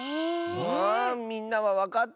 あみんなはわかった？